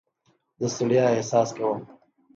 د ستړیا احساس کوم.